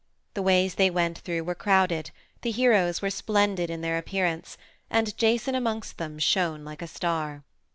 The ways they went through were crowded; the heroes were splendid in their appearance, and Jason amongst them shone like a star.